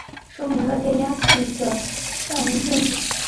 这说明了电压器的等效电阻和电压源频率的反关系。